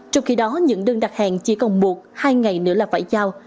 trong khi đó những đơn đặt hàng chỉ còn một hai ngày nữa là phải giao